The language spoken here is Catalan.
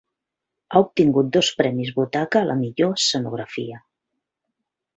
Ha obtingut dos Premis Butaca a la millor escenografia.